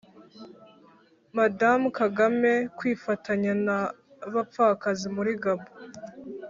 Mme Kagame kwifatanya n'abapfakazi muli Gabon.